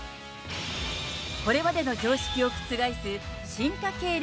これまでの常識を覆す、進化系